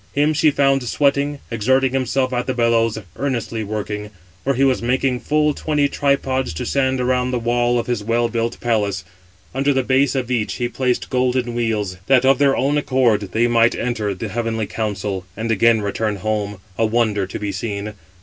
Him she found sweating, exerting himself at the bellows, earnestly working; for he was making full twenty tripods to stand around the wall of his well built palace. Under the base of each he placed golden wheels, that of their own accord they might enter the heavenly council, and again return home—a wonder to be seen.